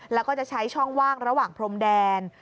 แล้วก็จะใช้ช่องว่างระหว่างพรมแดน